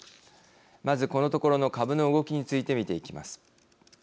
まず、このところの株の動きについて見ていきます。